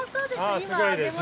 そうです。